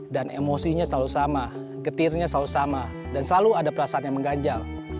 dan emosinya selalu sama getirnya selalu sama dan selalu ada perasaan yang mengganjal